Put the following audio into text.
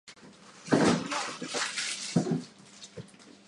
お前は今まで食ったパンの枚数を覚えているのか？